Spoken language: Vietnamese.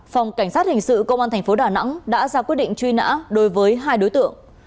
phòng cảnh sát hình sự công an tp đà nẵng đã ra quyết định truy nã đối với hai đối tượng